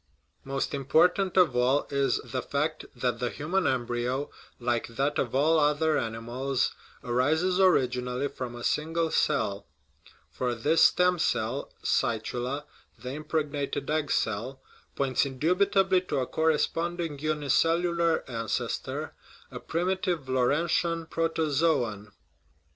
Most important of all is the fact that the human embryo, like that of all other animals, arises originally from a single cell ; for this " stem cell " (cytula) the impregnated egg cell points indubitably to a corresponding unicellular ancestor, a primitive, Laurentian protozoon.